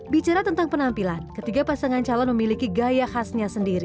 bicara tentang penampilan ketiga pasangan calon memiliki gaya khasnya sendiri